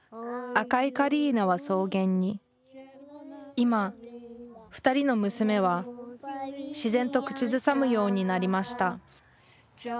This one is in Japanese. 今２人の娘は自然と口ずさむようになりました。